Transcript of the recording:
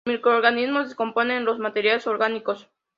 Los microorganismos descomponen los materiales orgánicos.